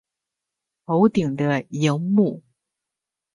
头顶的萤幕